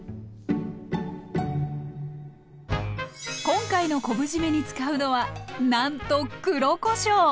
今回の昆布じめに使うのはなんと黒こしょう。